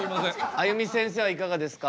あゆみせんせいはいかがですか？